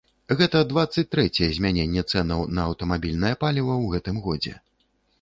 Гэта дваццаць трэцяе змяненне цэнаў на аўтамабільнае паліва ў гэтым годзе.